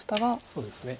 そうですね。